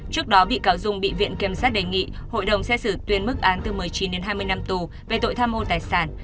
trước đó bị cáo dung bị viện kiểm sát đề nghị hội đồng xét xử tuyên mức án từ một mươi chín đến hai mươi năm tù về tội tham mô tài sản